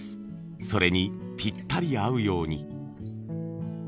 それにぴったり合うように。